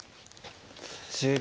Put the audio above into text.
１０秒。